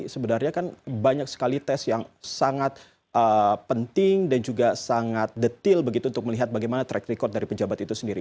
sebenarnya kan banyak sekali tes yang sangat penting dan juga sangat detil begitu untuk melihat bagaimana track record dari pejabat itu sendiri